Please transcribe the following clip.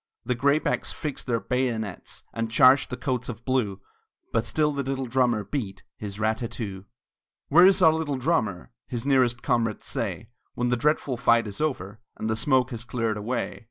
The graybacks fixed their bayonets, And charged the coats of blue, But still the little drummer beat His rat tat too! "Where is our little drummer?" His nearest comrades say, When the dreadful fight is over, And the smoke has cleared away.